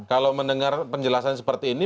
kalau mendengar penjelasan seperti ini